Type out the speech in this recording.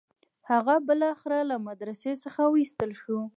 هغه بالاخره له مدرسې څخه وایستل شو.